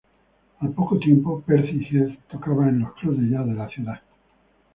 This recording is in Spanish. Al poco tiempo, Percy Heath tocaba en los clubs de jazz de la ciudad.